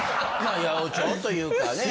八百長というかね。